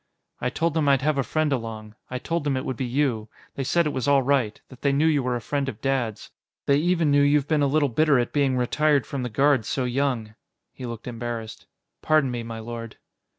"I told them I'd have a friend along. I told them it would be you. They said it was all right, that they knew you were a friend of Dad's. They even knew you've been a little bitter at being retired from the Guards so young." He looked embarrassed. "Pardon me, my lord."